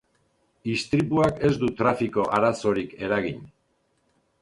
Istripuak ez du trafiko arazorik eragin.